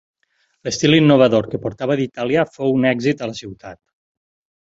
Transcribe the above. L'estil innovador que portava d'Itàlia fou un èxit a la ciutat.